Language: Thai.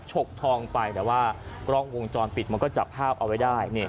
ฉกทองไปแต่ว่ากล้องวงจรปิดมันก็จับภาพเอาไว้ได้